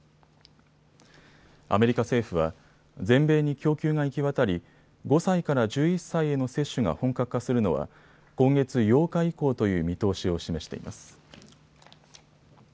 アメリカ政府は全米に供給が行き渡り５歳から１１歳への接種が本格化するのは今月８日以降という見通しを示しています。